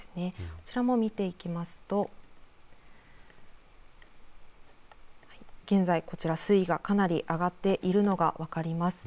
こちらも見ていきますとこちら水位がこちらかなり上がっているのが分かります。